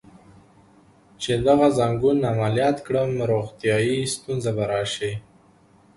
چې دغه ځنګون عملیات کړم، روغتیایی ستونزه به راشي.